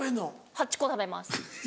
８個食べます。